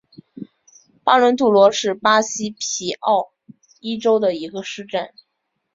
巴罗杜罗是巴西皮奥伊州的一个市镇。